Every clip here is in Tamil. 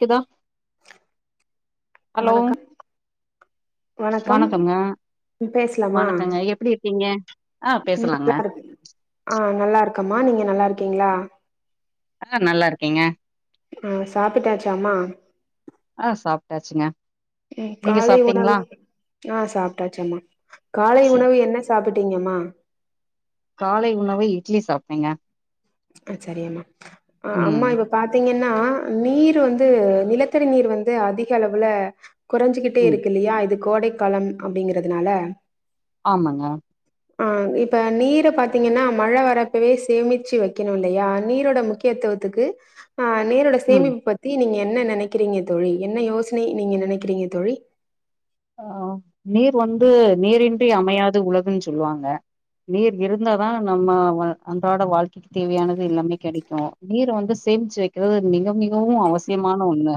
குதா ஹலோ வணக்கம் வணக்கம் வணக்கங்க பேசலாமா வணக்கங்க ம் எப்டி இருக்கிங்க ஆ பேசலாங்க நல்லா இருக்கு ஆ நல்லா இருக்கம்மா நீங்க நல்லா இருக்கீங்ளா ஆ நல்லா இருக்கேங்க ஆ சாப்பிட்டாச்சா மா ஆஹ் சாப்ட்டாச்சுங்க ம் நீங்க காலை சாப்ட்டீங்களா உணவு ஆ சாப்ட்டாச்சுங்மா காலை சேரி உணவு என்ன சாப்புட்டீங்க மா காலை உணவு இட்லி சாப்ட்டேங்க ஆ சரியாமா அ அம்மா ம் இங்க பாத்தீங்கன்னா நீர் வந்து நிலத்தடி நீர் வந்து அதிக அளவுல கொறஞ்சுகிட்டே ம் இருக்கு இல்லயா இது கோடை காலம் அப்டிங்கறதுனால ஆமாங்க ஆ இப்ப நீர பாத்தீங்கனா மழ வரப்பவே சேமிச்சு வக் கிணு இல்லயா நீரோட முக்கியத்துவத்துக்கு அ நீரோட ம் சேமிப்பு பத் தி நீங்க என்ன நெனைக்கிறீங்க தோழி என்ன யோசனை நீங்க நெனைக்கிறீங்க தோழி அ நீர் வந்து நீரின்றி அமையாது உலகுன் சொல்வாங்க நீர் இருந்தாதா நம்ம வ அன்றாட வாழ்க்கைக்கு தேவையானது எல்லாமே கெடைக்கு நீர வந்து சேம்ச்சு வைக்கிறது மிக மிகவு அவசியமான ஒன்னு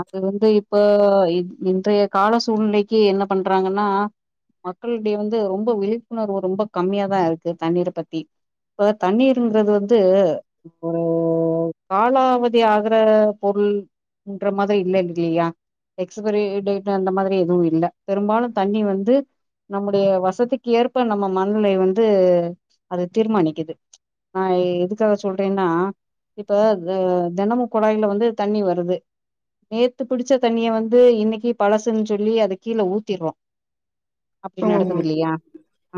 அது வந்து இப்ப இன் இன்றைய கால சூழ்நிலைக்கு என்ன பண்றாங்கனா மக்களிடைய வந்து ரொம்ப விழிப்புணர்வு ரொம்ப கம்மியா தா இருக்கு தண்ணீர பத்தி இப்ப தண்ணீருங்றது வந்து இப்போ காலாவதி ஆகுற பொருள் ன்ற மாதிரி இல்ல இன்னிக்லியா எக்ஸுபரி டேட் டு அந்த மாதிரி எதுவு இல்ல பெரும்பாலு தண்ணி வந்து நம்முடைய வசதிக்கு ஏற்ப நம்ம மணநிலை வந்து அத தீர்மானிக்குது அ எதுக்காக சொல்றேனா இப்ப த தெனமு குழாய்ல வந்து தண்ணி வருது நேத்து பிடிச்ச தண்ணிய வந்து இன்னைக்கி பழசுன் சொல்லி அத கீழ ஊத்திறோ அப்டி ஆமாமா நடக்குது இல்லயா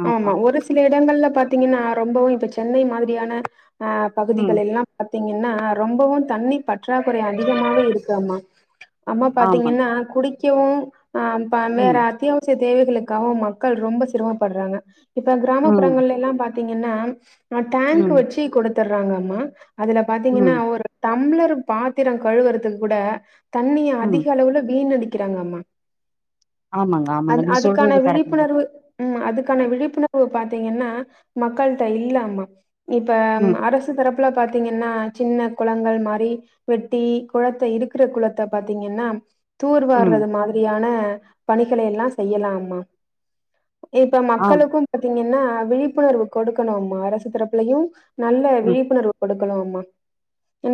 ஆமா சில எடங்கள்ல பாத்தீங்கனா ரொம்பவு இப்ப சென்னை மாதிரியான ஆ ம் பகுதிகள் எல்லா பாத்தீங்கனா ரொம்பவு தண்ணி பற்றாக்குறை அதிகமாவே இருக்காமா அம்மா ஆமாங் பாத்தீங்கனா குடிக்கவு அ பா ம் வேற அத்தியாவசிய தேவைகளு காவு மக்கள் ரொம்ப சிரமப்பட்றாங்க இப்ப ம், கிராமப்புறங்கள் எல்லா பாத்தீங்கனா ஆ டேங்க்கு ம், வச்சி குடுத்துடுறாங்கமா அதுல ம், பாத்தீங்கனா ஒர் தம்ளரு பாத்திரோ கழுவுறதுக்கு கூட தண்ணிய ம். அதிக அளவுல வீணடிக்கிறாங்கமா ஆமாங்க ஆமாங்க நீங்க சொல்றது கரெட்டுங்க வு ம் அதுக்கான விழிப்புணர்வு பாத்தீங்கனா மக்கள்ட்ட இல்லம்மா இப்ப ம் அரசு தரப்புல பாத்தீங்கனா சின்ன குளங்கள் மாரி வெட்டி குளத்த இருக்குற குளத்த பாத்தீங்கன்னா ம். தூர்வாரது மாதிரியான பணிகள் எல்லா செய்யலாம்மா இப்ப ஆம், மக்களுக்கு பாத்தீங்கனா விழிப்புணர்வு கொடுக்கலாமா அரசு தரப்புலையு நல்ல ம். விழிப்புணர்வு கொடு க்கலாமா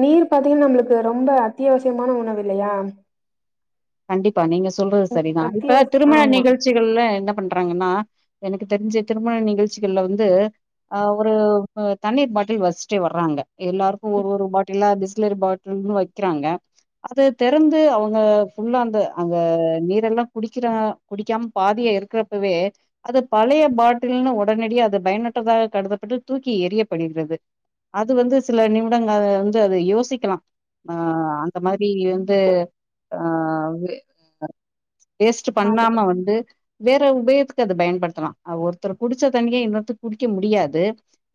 நீர் பாத்தீங்கனா நம்ளுக்கு ரொம்ப அத்தியாவசியமான உணவு இல்லயா கண்டிப்பா நீங்க சொல்றது சரி தா இப்ப அத்தியாவசிய திருமண ஆமா நிகழ்ச் சிகள்ல என்ன பண்றாங்கனா எனக்கு தெரிஞ்சு திருமண நிகழ்ச்சிகள்ல வந்து அ ஒரு அ தண்ணீர் பாட்டில் வச்ட்டே வராங்க எல்லாருக்கு ஒவ்வொரு பாட்டிலா பிஸ்லெரி பா ன்னு வைக்கிறாங்க அது திறந்து அவுங்க ஃபுல்லா அந்த அங்க நீரெல்லாம் குடிக்கிற குடிக்காம பாதியா இருக்கிறப்பவே அது பழைய பாட்டில்னு உடனடியா அது பயனற்றதாக கருதப்பட்டு தூக்கி எறியப்படுகிறது அது வந்து சில நிமிடங்கள் வந்து அத யோசிக்கலா ஆ அந்த மாரி வந்து அ வே அ வேஸ்ட்டு அது பண்ணாம வந்து வேற உபயத்துக்கு அது பயன்படுத்தலாம் அ ஒருத்தர் குடிச்ச தண்ணிய இன்னொருத்தர் குடிக்க முடியாது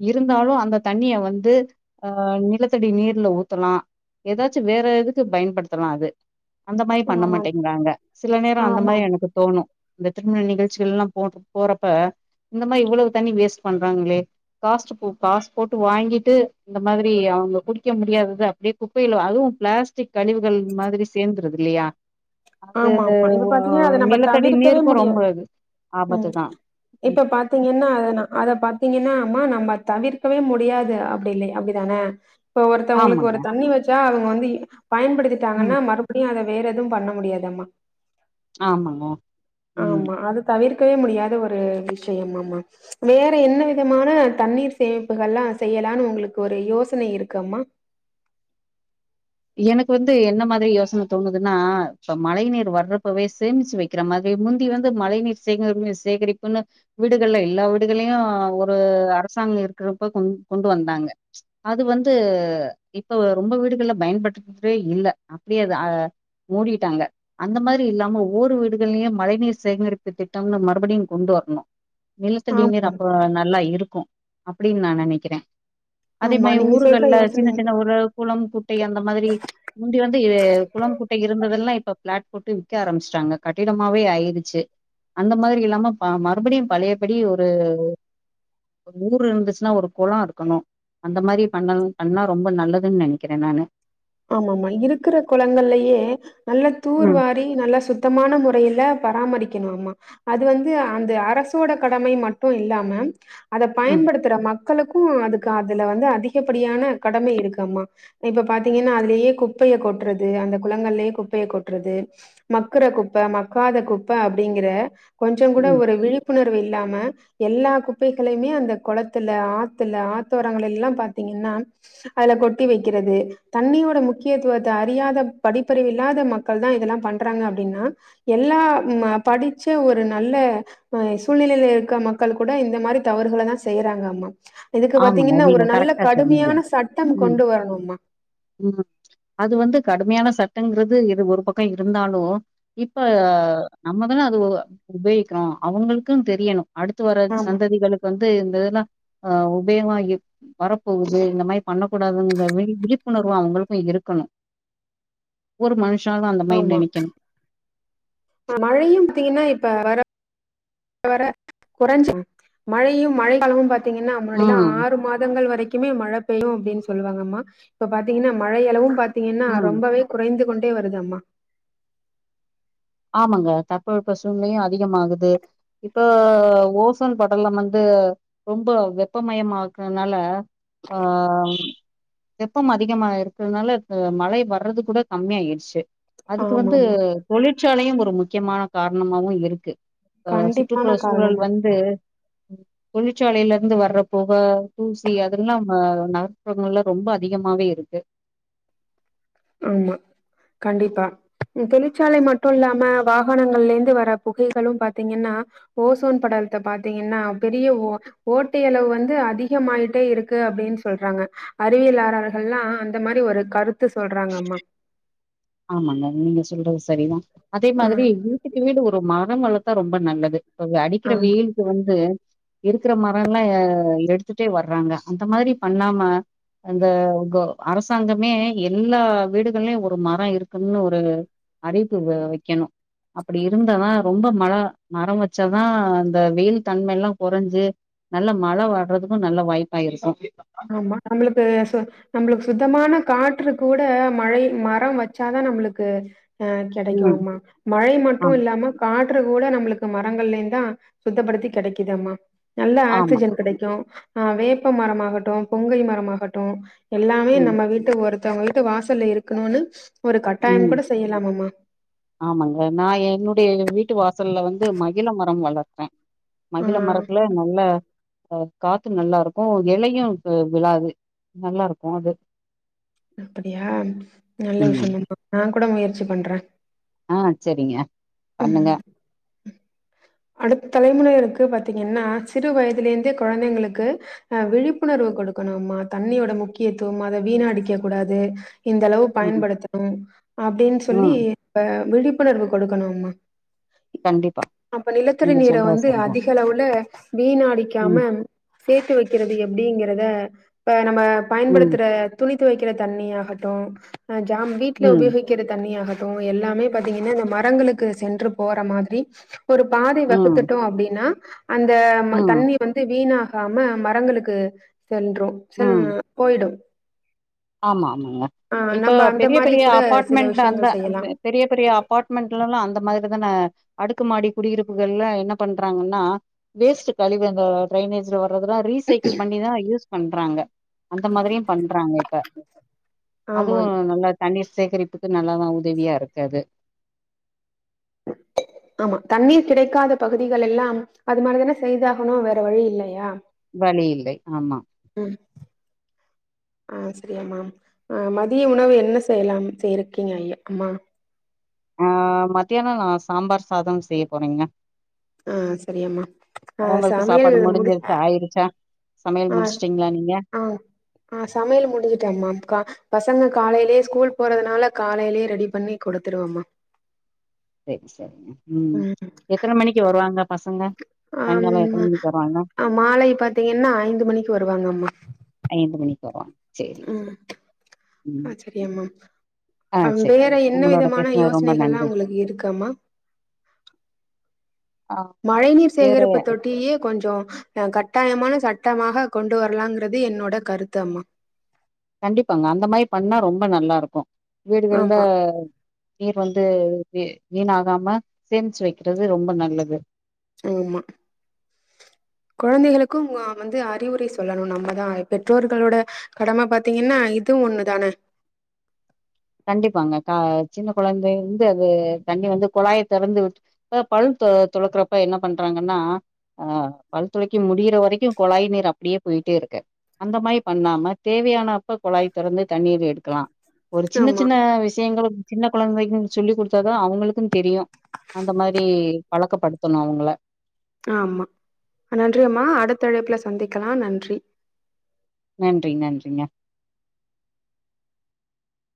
இருந்தாலும் அந்த தண்ணிய வந்து அ நிலத்தடி நீர்ல ஊத்தலாம் எதாச்சும் வேற இதுக்கு பயன்படுத்தலா அது அந்த மாரி பண்ண ஆமா மாட்டேங்குறாங்க சில நேரம் அந்த ஆமா மாரி எனக்கு தோணும் இந்த திருமண நிகழ்ச்சிகள் எல்லா போ போறப்ப இந்த மாரி இவ்வளவு தண்ணி வேஸ்ட் பண்றாங்களே காஸ்டு போ காசு போட்டு வாங்கிட்டு இந்த மாதிரி அவுங்க குடிக்க முடியாதது அப்படியே குப்பையில அதுவும் பிளாஸ்டிக் கழிவுகள் மாதிரி சேர்ந்துருது இல்லையா அது ஆமா அது ஆமா இப்ப ஓ பாத்தீங்கன்னா அத நம்ம நிலத்தடி தவிர்க்கவே நீருக்கும் ரொம்ப முடியாது அது ஆபத்து ம் தா இப்ப பாத்தீங்கன்னா அத ந அத பாத்தீங்கன்னா அம்மா நம்ம தவிர்க்கவே முடியாது அப்பிடி இல்லையா அப்பிடி தன இப்ப ஒருத்தவுங்களுக்கு ஆமாங்க ஒரு தண்ணி வச்சா அவுங்க வந்து ம் பயன்படுத்திட்டாங்கன்னா மறுபடியும் அத வேற எதுவும் பண்ண முடியாது ஆமா ஆமாங்க ம் ஆமா அது தவிர்க்கவே முடியாத ஒரு விஷயம் ஆமா வேற என்ன விதமான தண்ணீர் சேமிப்புகள்லா செய்யலானு உங்களுக்கு ஒரு யோசனை இருக்காம்மா எனக்கு வந்து என்ன மாதிரி யோசன தோணுதுன்னா இப்ப மழை நீரு வர்றப்பவே சேமிச்சு வைக் கிற மாதிரி முந்தி வந்து மழை நீீர் சேங்கரிப்புனு சேகரிப்புன்னு வீடுகள்ல எல்லா வீடுகளையு ஒரு அரசாங்கம் இருக்கிறப்ப கொ கொண்டு வந்தாங்க அது வந்து இப்ப ரொம்ப வீடுகள்ல பயன்படுத்தவே இல்ல அப்படியே அது மூடிட்டாங்க அந்த மாதிரி இல்லாம ஒவ்வொரு வீடுகள்லயும் மழை நீீர் சேகரிப்பு திட்டம்னு மறுபடியும் கொண்டு வரணும் நிலத்தடி நீர் ஆமாமா அப்ப நல்லா இருக்கும் அப்படின்னு நா நினைக்கிறே அதே ஆமா மாதிரி நீங்க சொல்ற ஊருகள்ல சின்ன யோசனை சின்ன ஒரு குளம் குட்டை அந்த மாதிரி முந்தி வந்து குளம் குட்டை இருந்ததெல்லா இப்ப பிளாட் போட்டு விற்க ஆரம்பச்சுட்டாங்க கடினமாவே ஆயிடுச்சு அந்த மாதிரி இல்லாம பா மறுபடியும் பழையபடி ஒரு ஒரு ஊர் இருந்துச்சுன்னா ஒரு குளம் இருக்கணு அந்த மாதிரி பண்ண பண்ணா ரொம்ப நல்லதுன் நினைக்கிறேன் நானு ஆமா ஆமா இருக்குற குளங்கள்லயே நல்ல ம் தூர்வார ரி நல்ல சுத்தமான முறையில பராமரிக்கணு ஆமா அது வந்து அந்த அரசோட கடமை மட்டும் இல்லாம அத ம் பயன்படுத்துற மக் களுக்கும் அதுக்கு அதுல வந்து அதிகப்படியான கடமை இருக்கு ஆமா இப்ப பாத்த தீங்கன்னா அதுலயே குப்பைய கொட்டுறது அந்த குளங்கள்லயே குப்பைய கொட்டுறது மக்குற குப்ப மக்காத குப்ப அப்படிங்குற கொஞ்சம் கூட ம் ஒரு விழிப்புணர்வு இல்லாம எல்லா குப்பைகளையுமே அந்த குளத்துல ஆத்துல ஆத்தோரங்கள் எல்லா பாத்தீங்கன்னா அதுல கொட்டி வைக்கிறது தண்ணியோட முக்கியத்துவத்த அறியாத படிப்பறிவு இல்லாத மக்கள்தா இதெல்லா பண்றாங்க அப்டின்னா எல்லா படிச்ச ஒரு நல்ல அ சூழ்நிலையில இருக்க மக்கள் கூட இந்த மாதிரி தவறுகள தா செய்யுறாங்க ஆமா இதுக்கு ஆமாங்க பாத்தீங்கன்னா நீங்க ஒரு நல்ல கரெக்டா சொன்னீங்க கடுமையான சட்டம் ம் கொண்டு வரணுமா ம் அது வந்து கடுமையான சட்டங்குறது இரு ஒரு பக்கோ இருந்தாலு இப்ப நம்ம தான அது உபயோகிக்கிறோ அவுங்களுக்கு தெரியணு அடுத்து வர ஆமா சந்ததிகளுக்கு வந்து இந்த இதுலா அ உபயமா இரு வரப்போகுது இந்த மாரி பண்ணக்கூடாதுங்கற மாரி விழிப்புணர்வு அவங்குளுக்கு இருக்கணு ஒரு மனுஷாலு அந்த மாரி நெனைக்கணு அ மழையு பாத்திங்னா இப்ப வர வர குறைஞ்சி மழையு மழைக்காலமு பாத் திங்கன்னா முன்னாடிலா ம், ஆறு மாதங்கள் வரைக்குமே மழ பெயு அப்டின் சொல்லுவாங்கம்மா இப்ப பாத்திங்கன்னா மழை அளவு பாத்திங்கன்னா ம். ரொம்பவே குறைந்து கொண்டே வருதம்மா ஆமாங்க தட்பவெட்ப சூழ்நிலையு அதிகமாகுது இப்ப ஓசோன் படலம் வந்து ரொம்ப வெப்பமயமா ஆக்குறனால ஆ வெப்பம் அதிகமா இருக்கறதுனால மழை வர்றது கூட கம்மி ஆயிர்ச்சு அதுக்கு வந்து ஆமாமா தொழிற்சாலையு ஒரு முக்கியமான காரணமாவு இருக்கு அ சுற்றுப்புற கண்டிப்பான சூழல் காரணமா வந்து தொழிற்சாலைலந்து வர்ற பொகை தூசி அதெல்லா வ நகர்புறங்கள்ல ரொம்ப அதிகமாவே இருக்கு ஆமா கண்டிப்பா தொழிற்சாலை மட்டு இல்லாம வாகனங்கள்லேந்து வர புகைகளு பாத்திங்கன்னா ஓசோன் படலத்த பாத்திங்கன்னா பெரிய ஓ ஓட்டையளவு வந்து அதிகமாயிட்டே இருக்கு அப்டின் சொல்றாங்க அறிவியலாளர்கள்லா அந்த மாரி ஒரு கருத்து சொல்றாங்கமா ஆமாங்க நீங்க சொல்றது சரிதான் அதே மாதிரி ம் வீட்டுக்கு வீடு ஒரு மரம் வளத்தா ரொம்ப நல்லது இப்ப இங்க அடிக்கிற ஆ. வெயிலுக்கு வந்து இருக்குற மரலா ஆ எடுத்துட்டே வராங்க அந்த மாரி பண்ணாம அந்த ஒங்கோ அரசாங்கமே எல்லா வீடுகளிலு ஒரு மரோ இரு இருக்குனு ஒரு அறிவிப்பு வ வைக்கணு அப்டி இருந்தாதா ரொம்ப மழ மரோ வச்சாதா இந்த வெயில் தன்மைலா கொறைஞ்சு நல்ல மழ வர்றதுக்கு நல்ல வாய்ப்பா இருக்கு ஆமா நம்புளுக்கு சொ நம்புளுக்கு சுத்தமான காற்று கூட மழை மரம் வச்சாதா நம்புளுக்கு அ கெடைக்கு ம் அம்மா மழை மட்டு ஆமா இல்லாம காற்று கூட நம்புளுக்கு மரங்களேந்தா சுத்தப்படுத்தி கெடைக்குதம்மா நல்ல ஆமா ஆக்சிஜன் கெடைக்கு ஆ வேப்ப மரமாகட்டு புங்கை மரமாகட்டு எல்லாமே ம் நம்ம வீட்டு ஒருத்தவங்க வீட்டு வாசல்ல இருக்கணுனு ஒரு கட்டாயம் ம் கூட செய்யலாம் அம்மா ஆமாங்க நா என்னுடைய எங் வீட்டு வாசல்ல வந்து மகிழ மரம் வளர்த்தே ஆ மகிழ மரத்துல நல்ல அ காத்து நல்லாருக்கு எலயு வ விழாது நல்லாருக்கு அது அப்டியா நல்ல ம் விஷயம்மா நா கூட முயற்சி பண்றே ஆ சரிங்க ம். பண்ணுங்க அடுத்த தலைமுறைகளுக்கு பாத்திங்கன்னா சிறு வயதுலேந்தே குழந்தைங்களுக்கு ஆ விழிப்புணர்வு குடுக்கணும்மா தண்ணியோட முக்கியத்துவம் அத வீணா அடிக்க கூடாது இந்தளவு ம் பயன்படுத்தணு அப்டின் சொல்லி ம் இப்ப விழிப்புணர்வு கொடுக்கணு அம்மா கண்டிப்பா அப்ப நிலத்தடி நீங்க நீர சொல்றது வந்து சரிதா அதிகளவுல ம் வீணாடிக்காம சேத்து வைக்கிறது எப்டிங்கறத இப்ப நம்ம ம் பயன்படுத்துற துணி தொவைக்கிற தண்ணியாகட்டு ஜாம் வீட்ல ம் உபயோகிக் கிற தண்ணியாகட்டு எல்லாமே பாத்தீங்கன்னா இந்த மரங்களுக்கு சென்று போற மாதிரி ஒரு பாதை ம் வகுத்துட்டோ அப்டின்னா அந்த ம் தண்ணி வந்து வீணாகாம மரங்களுக்கு சென்று செல் ம் போய்டு ஆமா ஆமாங்க இப்போ பெரிய மாரி பெரிய கூட சில அப்பார்ட்மண்ட் அந்த விஷயங்கள் செய்யலா அக்கு பெரிய பெரிய அபார்ட்மெண்ட்லலா அந்த மாதிரி தான அடுக்குமாடி குடியிருப்புகள்ல என்ன பண்றாங்கன்னா வேஸ்ட் கழிவுங்க ட்ரைனேஜ்ல வரதுலா ரீசைக்கள் பண்ணிதா யூஸ் பண்றாங்க அந்த மாதிரியு பண்றாங்க இப்ப அதுவு ஆமா நல்லா தண்ணீர் சேகரிப்புக்கு நல்லாதா உதவியா இருக்கு அது ஆமா தண்ணீர் கிடைக்காத பகுதிகள் எல்லாம் அது மாதிரிதான செய்தாகணு வேற வழி இல்லயா வழி இல்லை ஆமா ம் ஆ சரியாமா ஆ மதிய உணவு என்ன செய்யலா செய்ருக்கீங்க அம்மா ஆ மத்தியானம் நா சாம்பார் சாதம் செய்ய போறங்க ஆ சரியாம்மா ஆ அவங்களுக்கு சமையல் சாப்பாடு முடி முடிஞ்சிருச் ஆயிருச்சா சமையல் ஆ முடிச்சுட்டீங்ளா நீங்க ஆ ஆ சமையல் முடிஞ்சுட்டு அம்மா பசங்க காலைலயே ஸ்கூல் போறதுனால காலைலயே ரெடி பண்ணி குடுத்துடுவம்மா செரி செரிங்க ம் எத்தன மணிக்கு வருவாங்க பசங்க சாயங்காலோ எத்தன மணிக்கு வருவாங்க ஹம் மாலை பாத்தீங்கன்னா ஐந்து மணிக்கு வருவாங்கம்மா ஐந்து மணிக்கா சேரி ம் சேரி ஆ சரியாம்மா ஆ வேற சேரிங்க என்ன உங்களோட விதமான பேசுனது ரொம்ப யோசனைகலா நன்றி உங்ளுக்கு இருக்கம்மா ஆ மழை நீர் வேற சேகரிப்பு தொட்டிலயே கொஞ்சோ ஹ கட்டாயமான சட்டமாக கொண்டு வரலாங்கறது என்னோட கருத்து அம்மா கண்டிப்பாங்க அந்த மாரி பண்ணா ரொம்ப நல்லாருக்கு வீடுகள்ல ஆமா நீர் வந்து வீணாகாம சேமிச்சு வக்கிறது ரொம்ப நல்லது சொ மா கொழந்தைகளுக்கும் நாம் வந்து அறிவுரை சொல்லணு நம்மதா பெற்றோர்களோட கடம பாத்தீங்கன்னா இதுவு ஒன்னுதான கண்டிப்பாங்க க சின்ன கொழந்தையிருந்து அது தண்ணி வந்து குழாய திறந்து விட் இப்ப பல் தொ துளக்கறப்ப என்ன பண்றாங்கன்னா ஆ பல்துளக்கி முடியிற வரைக்கு குழாய் நீர் அப்டியே போய்ட்டே இருக்கு அந்த மாரி பண்ணாம தேவையான அப்ப கொழாய் தெறந்து தண்ணீர் எடுக்லா சின்ன ஆமா சின்ன விஷயங்கள் சின்ன கொழந்தைக்கும் சொல்லி குடுத்தாதான் அவங்களுக்கு தெரியு அந்த மாரி பழக்கப்படுத்தணு அவங்கள ஆமா நன்றி அம்மா அடுத்த அழைப்புல சந்திக்கலா நன்றி நன்றி நன்றிங்க